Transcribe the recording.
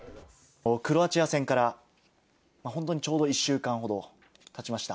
クロアチア戦から本当にちょうど１週間ほどたちました。